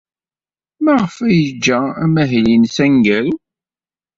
Maɣef ay yeǧǧa amahil-nnes aneggaru?